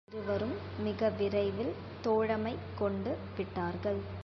இருவரும் மிக விரைவில் தோழமை கொண்டு விட்டார்கள்.